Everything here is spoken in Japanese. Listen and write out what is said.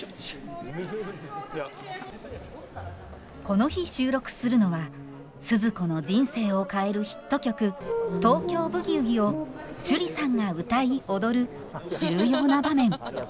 この日収録するのはスズ子の人生を変えるヒット曲「東京ブギウギ」を趣里さんが歌い踊る重要な場面。